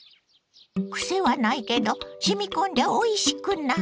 クセはないけどしみこんでおいしくなる。